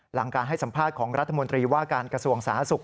หลังการให้สัมภาษณ์ของรัฐมนตรีว่าการกระทรวงสาธารณสุข